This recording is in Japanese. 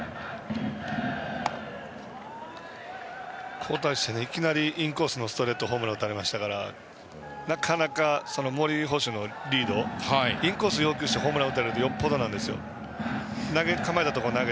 交代していきなりインコースのストレートを打たれたのでなかなか森捕手のリードインコース要求してホームラン打たれるってよっぽどなんですよ。